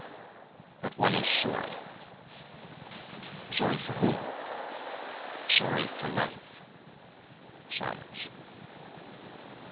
"But one is sorry." "Sorry for whom?" "Sorry for life." Silence.